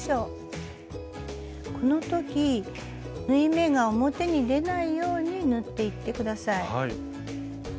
この時縫い目が表に出ないように縫っていって下さい。